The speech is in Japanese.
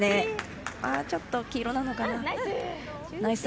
ちょっと黄色なのかな。